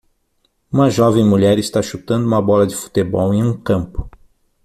Uma jovem mulher está chutando uma bola de futebol em um campo.